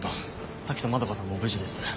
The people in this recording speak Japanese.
咲と円さんも無事です。